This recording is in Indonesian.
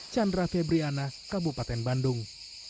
chandra febriana kabupaten bandung